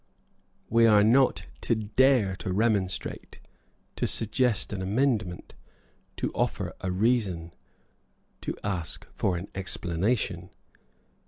We are not to dare to remonstrate, to suggest an amendment, to offer a reason, to ask for an explanation.